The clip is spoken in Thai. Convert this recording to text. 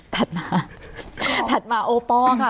ถัดมาถัดมาโอปอลค่ะ